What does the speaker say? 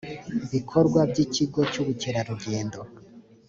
bikorwa by ikigo cy ubukerarugendo